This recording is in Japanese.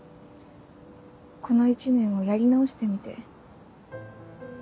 この一年をやり直してみて。